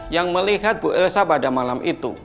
yang melihat bu elsa pada malam itu